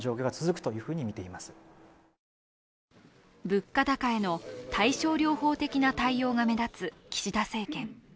物価高への対症療法的な対応が目立つ岸田政権。